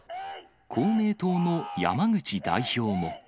公明党の山口代表も。